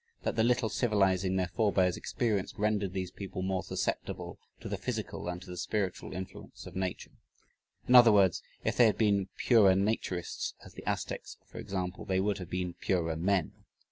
That the little civilizing their forbears experienced rendered these people more susceptible to the physical than to the spiritual influence of nature; in other words; if they had been purer naturists, as the Aztecs for example, they would have been purer men.